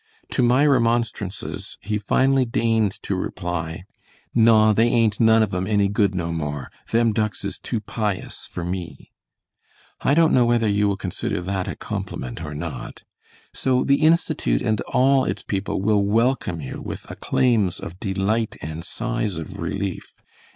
To my remonstrances, he finally deigned to reply: "Naw, they ain't none of 'em any good no more; them ducks is too pious for me." I don't know whether you will consider that a compliment or not. So the Institute and all its people will welcome you with acclaims of delight and sighs of relief.